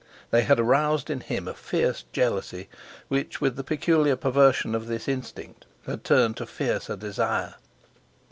They had roused in him a fierce jealousy, which, with the peculiar perversion of this instinct, had turned to fiercer desire.